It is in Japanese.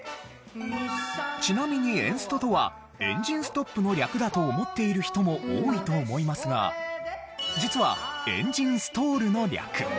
ちなみにエンストとは「エンジンストップ」の略だと思っている人も多いと思いますが実は「エンジンストール」の略。